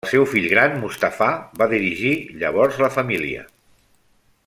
El seu fill gran Mustafà va dirigir llavors la família.